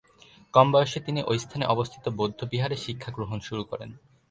কম বয়সে তিনি ঐ স্থানে অবস্থিত বৌদ্ধবিহারে শিক্ষাগ্রহণ শুরু করেন।